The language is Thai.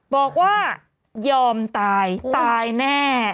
บอกว่ายอมตายตายแน่